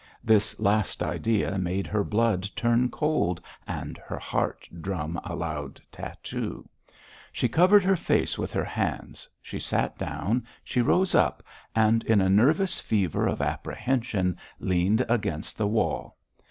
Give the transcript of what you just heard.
This last idea made her blood turn cold and her heart drum a loud tattoo. She covered her face with her hands; she sat down, she rose up, and in a nervous fever of apprehension leaned against the wall.